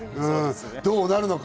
どうなるのか。